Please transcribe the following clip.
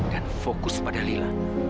dan fokus pada lila